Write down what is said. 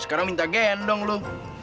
sekarang minta gendong lu